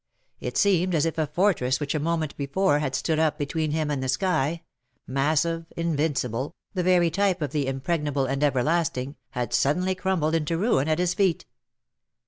It seemed as if a fortress which a moment before had stood up between him and the sky — massive — invincible — the very type of the impregnable and everlasting, had suddenly crumbled into ruin at his feet.